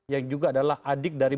yang juga adalah adik dari